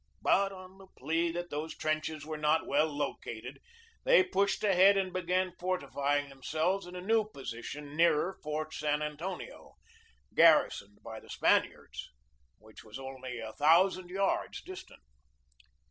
But on the plea that these trenches were not well located they pushed ahead and began fortifying themselves in a new position nearer Fort San Antonio, garrisoned by the Spaniards, which was only a thousand yards distant.